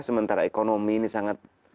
sementara ekonomi ini sangat